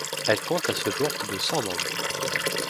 Elle compte à ce jour plus de cent membres.